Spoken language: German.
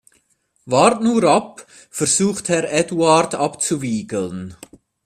Warte nur ab, versucht Herr Eduard abzuwiegeln.